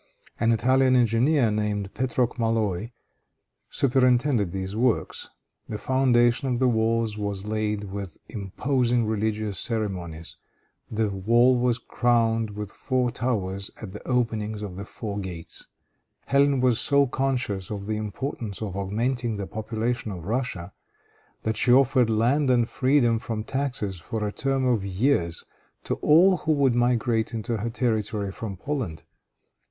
An Italian engineer, named Petrok Maloi, superintended these works. The foundation of the walls was laid with imposing religious ceremonies. The wall was crowned with four towers at the opening of the four gates. Hélène was so conscious of the importance of augmenting the population of Russia, that she offered land and freedom from taxes for a term of years to all who would migrate into her territory from Poland.